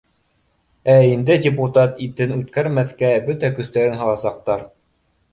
Ә инде депутат итен үткәрмәҫкә бөтә көстәрен һаласаҡтар